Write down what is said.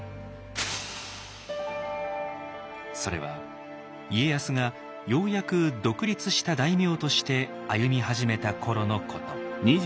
それは家康がようやく独立した大名として歩み始めた頃のこと。